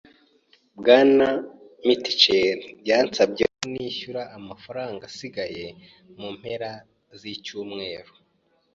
Bwana Mitchel yasabye ko nishyura amafaranga asigaye mu mpera z'icyumweru.